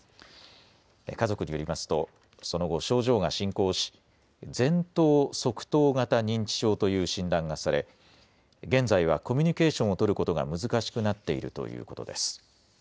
家族によりますとその後、症状が進行し前頭側頭型認知症という診断がされ現在はコミュニケーションを取ることが難しくなっているということです。